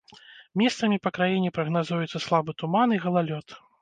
Месцамі па краіне прагназуюцца слабы туман і галалёд.